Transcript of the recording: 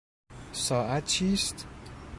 ساعت چیست؟